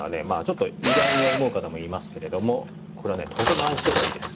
まあちょっと意外に思う方もいますけれどもこれはねとても相性がいいです。